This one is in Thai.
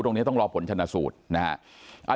ตรงนี้ต้องรอผลชนะสูตร